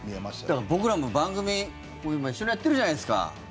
だから、僕らも番組今一緒にやってるじゃないすか。